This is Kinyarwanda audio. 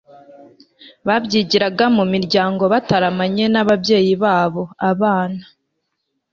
babyigiraga mu miryango bataramanye n'ababyeyi babo. abana